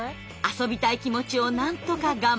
遊びたい気持ちをなんとか我慢。